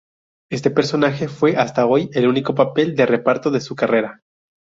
Este personaje fue hasta hoy el único papel de reparto de su carrera.